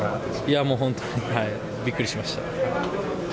いやもう本当にびっくりしました。